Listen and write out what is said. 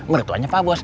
mertuanya pak bos